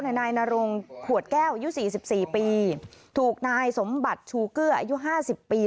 นายนรงขวดแก้วอายุสี่สิบสี่ปีถูกนายสมบัติชูเกื้ออายุห้าสิบปี